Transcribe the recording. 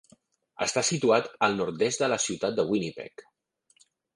Està situat al nord-est de la ciutat de Winnipeg.